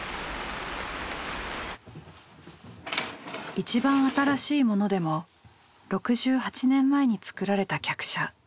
一番新しいものでも６８年前に作られた客車。